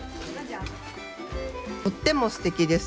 とってもすてきです。